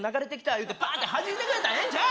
いうてパーンってはじいてくれたらええんちゃう！